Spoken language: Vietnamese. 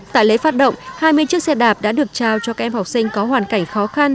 tại lễ phát động hai mươi chiếc xe đạp đã được trao cho các em học sinh có hoàn cảnh khó khăn